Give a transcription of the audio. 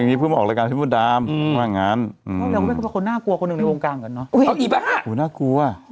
การมันคิใช้น่อยใจเป็นนะ